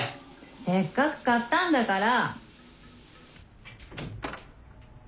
・せっかく買ったんだから。